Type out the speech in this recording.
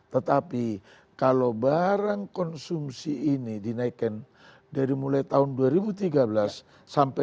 tetapi kalau barang konsumsi ini dinaikkan dari mulai tahun dua ribu tiga belas sampai dua ribu dua puluh